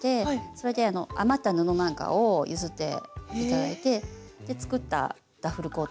それで余った布なんかを譲って頂いて作ったダッフルコート。